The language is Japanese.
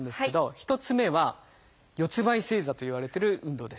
１つ目は「四つんばい正座」といわれてる運動です。